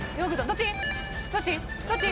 どっち？